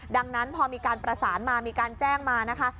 ดังนั้นพอมีการประสานมามีการแจ้งมานะคะ